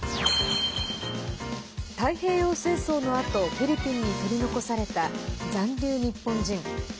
太平洋戦争のあとフィリピンに取り残された残留日本人。